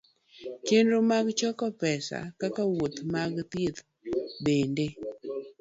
Chenro mag choko pesa kaka wuoth mag thieth bende